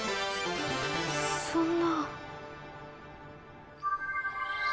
そんな。